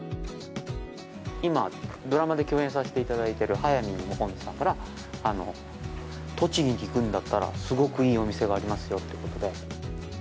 今、ドラマで共演させていただいてる速水もこみちさんから、栃木に行くんだったら、すごくいいお店がありますよということで。